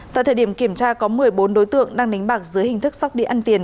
tại thời điểm kiểm tra có một mươi bốn đối tượng đang đánh bạc dưới hình thức sóc địa ăn tiền